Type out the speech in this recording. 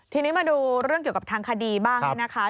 ทีนี้มาดูเรื่องเกี่ยวกับทางคดีบ้างเนี่ยนะคะ